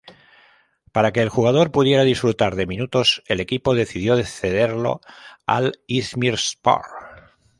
Para que el jugador pudiera disfrutar de minutos el equipo decidió cederlo al İzmirspor.